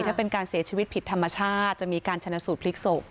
ถ้าเป็นการเสียชีวิตผิดธรรมชาติจะมีการชนะสูตรพลิกศพ